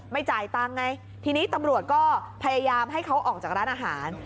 จ่ายตังค์ไงทีนี้ตำรวจก็พยายามให้เขาออกจากร้านอาหาร